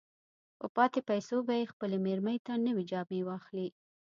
په پاتې پيسو به يې خپلې مېرمې ته نوې جامې واخلي.